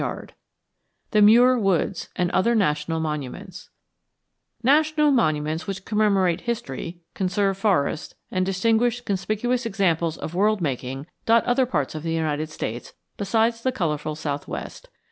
XX THE MUIR WOODS AND OTHER NATIONAL MONUMENTS National monuments which commemorate history, conserve forests, and distinguish conspicuous examples of world making dot other parts of the United States besides the colorful southwest.